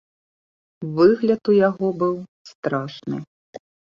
Выгляд у яго быў страшны.